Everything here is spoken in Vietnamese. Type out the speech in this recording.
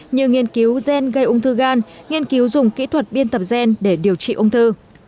như nghiên cứu gen gây ung thư gan nghiên cứu dùng kỹ thuật biên tập gen để điều trị ung thư